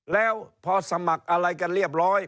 แล้วพอสมัครอะไรกันเรียบร้อย